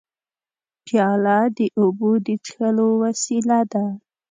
پیاله د اوبو د څښلو وسیله ده.